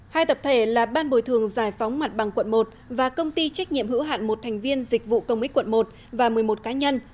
hai tập thể là ban bồi thường giải phóng mặt bằng quận một và công ty trách nhiệm hữu hạn một thành viên dịch vụ công ích quận một và một mươi một cá nhân